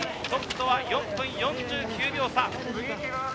トップとは４分４９秒差。